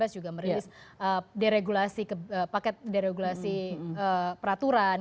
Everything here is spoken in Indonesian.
dua ribu lima belas juga merilis deregulasi paket deregulasi peraturan